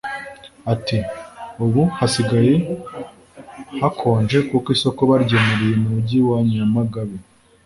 Ati Ubu hasigaye hakonje kuko isoko baryimuriye mu Mujyi wa Nyamagabe,